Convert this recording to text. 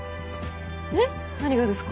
えっ？何がですか？